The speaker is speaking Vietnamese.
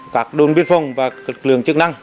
các đồn biên phòng và lượng chức năng